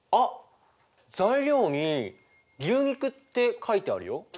材料に「牛肉」って書いてあるよ。